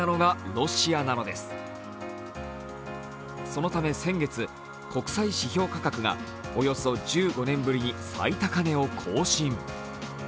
そのため先月、国際指標価格がおよそ１５年ぶりに最高値を更新。